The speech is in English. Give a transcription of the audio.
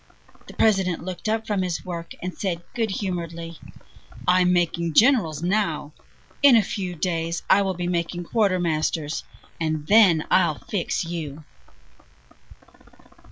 "The President looked up from his work, and said good humoredly: "'I'm making generals now! In a few days I will be making quartermasters, and then I'll fix you.'"